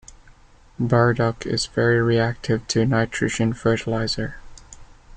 Burdock is very reactive to nitrogen fertilizer.